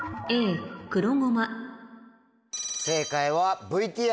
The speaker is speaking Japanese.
正解はＶＴＲで。